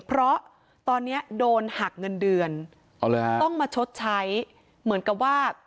เพราะตอนนี้โดนหักเงินเดือนต้องมาชดใช้เหมือนกับว่า